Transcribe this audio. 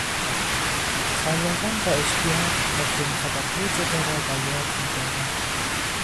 سربازان با اشتیاق آخرین خبرهای جبهه را دریافت میکردند.